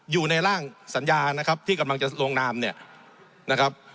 อยู่ในร่างสัญญานะครับที่กำลังจะลงนามเนี่ยนะครับ